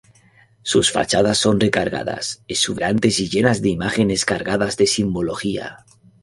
Sus fachadas son recargadas, exuberantes y llenas de imágenes cargadas de simbología.